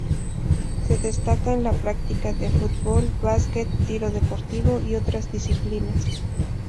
Se destaca en la práctica de fútbol, básquet, tiro deportivo y otras disciplinas.